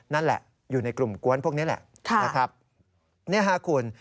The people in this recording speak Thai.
นั่นแหละอยู่ในกลุ่มกวนพวกนี้แหละนะครับเนี่ยฮะคุณ